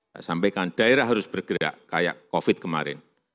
saya sampaikan daerah harus bergerak kayak covid kemarin